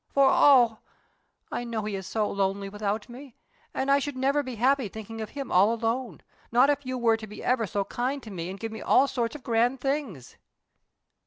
for, oh! I know he is so lonely without me, and I should never be happy thinking of him all alone, not if you were to be ever so kind to me and to give me all sorts of grand things."